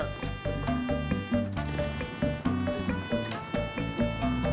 bapak duluan ya